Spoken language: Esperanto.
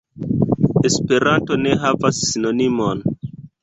Esperanto ne havas sinonimon.